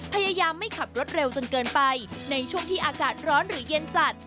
พยายามไม่ขับรถเร็วจนเกินไปในช่วงที่อากาศร้อนหรือเย็นจัด